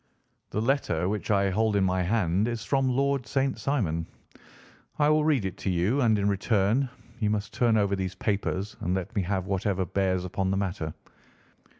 The letter which I hold in my hand is from Lord St. Simon. I will read it to you, and in return you must turn over these papers and let me have whatever bears upon the matter.